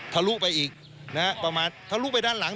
ทะลุไปอีกนะฮะประมาณทะลุไปด้านหลัง